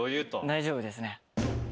大丈夫ですね。